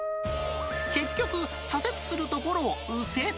結局、左折するところを右折。